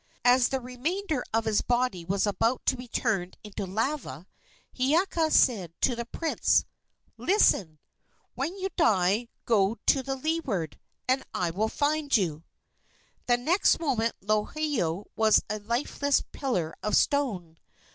As the remainder of his body was about to be turned into lava, Hiiaka said to the prince: "Listen! When you die go to the leeward, and I will find you!" The next moment Lohiau was a lifeless pillar of stone.